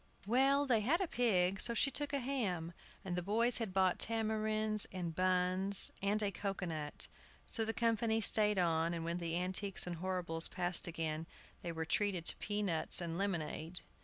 Well, they had a pig; so she took a ham, and the boys had bought tamarinds and buns and a cocoa nut. So the company stayed on, and when the Antiques and Horribles passed again they were treated to pea nuts and lemonade.